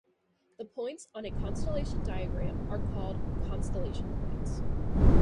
The points on a constellation diagram are called "constellation points".